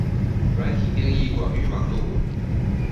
软体定义广域网路。